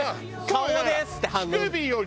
「顔です」って反応。